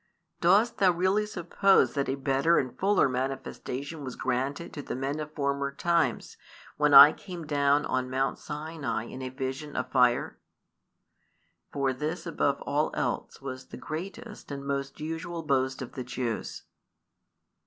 Dost thou really suppose that a better and fuller manifestation was granted to the men of former times, when I came down on Mount Sinai in a vision of fire?" For this above |259 all else was the greatest and most usual boast of the Jews.